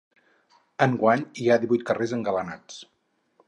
Enguany hi ha divuit carrers engalanats.